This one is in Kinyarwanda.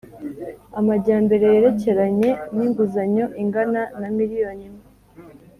Amajyambere yerekeranye n’inguzanyo ingana na miliyoni imwe